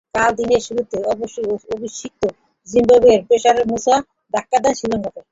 কাল দিনের শুরুতে অবশ্য অভিষিক্ত জিম্বাবুইয়ান পেসার মুম্বা ধাক্কা দেন শ্রীলঙ্কাকে।